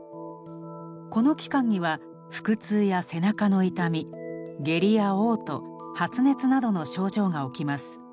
この期間には腹痛や背中の痛み下痢や嘔吐発熱などの症状が起きます。